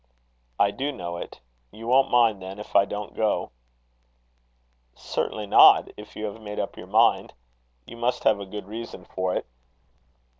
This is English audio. "I do know it. You won't mind then if I don't go?" "Certainly not, if you have made up your mind. You must have a good reason for it."